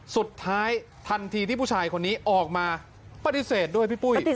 สุดท้ายทันทีที่ผู้ชายคนนี้ออกมาปฏิเสธด้วยพี่ปุ้ย